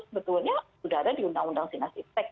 sebetulnya sudah ada di undang undang sinasitek